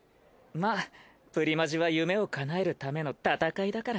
まあプリマジは夢をかなえるための戦いだから。